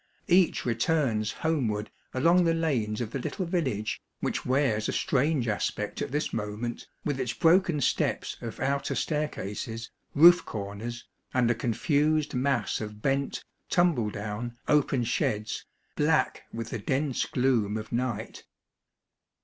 Each returns homeward, along the lanes of the little village, which wears a strange aspect at this moment, with its broken steps of outer staircases, roof corners, and a confused mass of bent, tumble down, open sheds, black with the dense gloom of night.